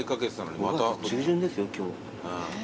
５月中旬ですよ今日。